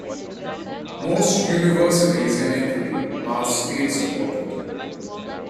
Most universities in Italy are state-supported.